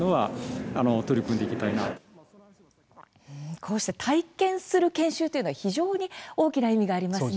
こうして体験する研修というのは非常に大きな意味がありますね。